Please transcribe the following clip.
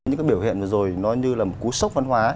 những cái biểu hiện vừa rồi nó như là một cú sốc văn hóa